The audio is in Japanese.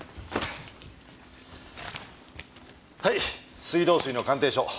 はい水道水の鑑定書。